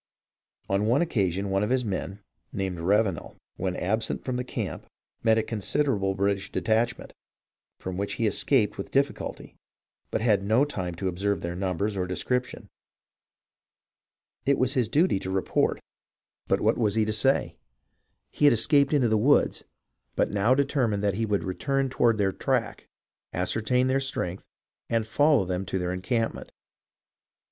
On one occasion one of his men (named Ravenel), when absent from the camp, met a con siderable British detachment, from which he escaped with difficulty, but had no time to observe their numbers or description. It was his duty to report, but what was he to 348 HISTORY OF THE AMERICAN REVOLUTION say ? He had escaped into the woods, but now determined that he would return toward their track, ascertain their strength, and follow them to their encampment.